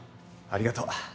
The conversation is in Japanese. ありがとう。